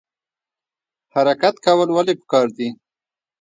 حرکت کول ولې پکار دي؟